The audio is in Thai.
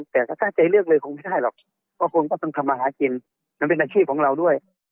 แต่ถ้าซักใจเลือกเลยคงไม่ได้หรอกพอคงก็ต้องทำมาฮะกินแล้วเป็นนักครีมของเราด้วย